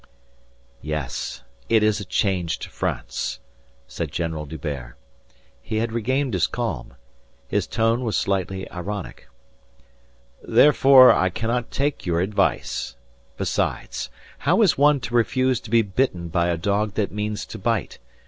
"Yes, it is a changed France," said General D'Hubert. He had regained his calm. His tone was slightly ironic. "Therefore, I cannot take your advice. Besides, how is one to refuse to be bitten by a dog that means to bite?